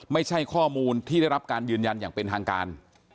ไม่ใช่ข้อมูลที่ได้รับการยืนยันอย่างเป็นทางการ